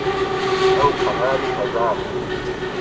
ئهو قەراری ههزاره